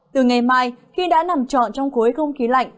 từ ngày mai khi đã nằm trọn trong khối không khí lạnh